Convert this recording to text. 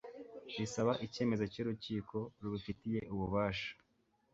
bisaba icyemezo cy'urukiko rubifitiye ububasha